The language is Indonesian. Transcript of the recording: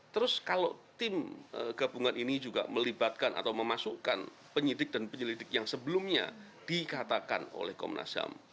terus kalau tim gabungan ini juga melibatkan atau memasukkan penyidik dan penyelidik yang sebelumnya dikatakan oleh komnas ham